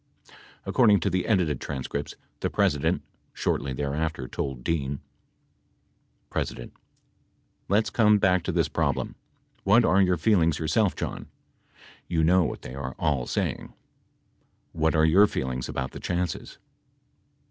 61 According to the edited tran scripts, the President, shortly thereafter, told Dean : P. Let's come back to this problem. What are your feelings yourself, John ? You know what they are all saying. What are your feelings about the chances